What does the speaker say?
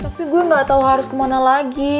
tapi gue gak tau harus kemana lagi